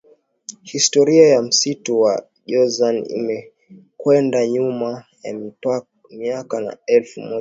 Historia ya msitu wa Jozani imekwenda nyuma ya miaka ya elfu moja mia tisa